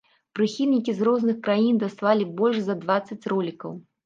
Прыхільнікі з розных краін даслалі больш за дваццаць ролікаў.